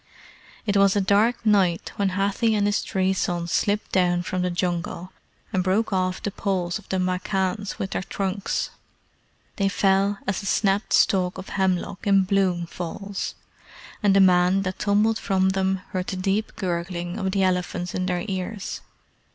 It was a dark night when Hathi and his three sons slipped down from the Jungle, and broke off the poles of the machans with their trunks; they fell as a snapped stalk of hemlock in bloom falls, and the men that tumbled from them heard the deep gurgling of the elephants in their ears.